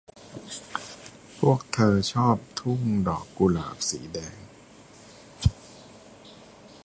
พวกเธอชอบทุ่งดอกกุหลาบสีแดง